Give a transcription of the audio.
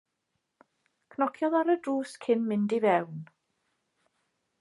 Cnociodd ar y drws cyn mynd i fewn.